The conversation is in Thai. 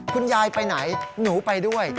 คุณยายไปไหนหนูไปด้วย